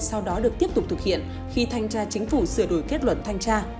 sau đó được tiếp tục thực hiện khi thanh tra chính phủ sửa đổi kết luận thanh tra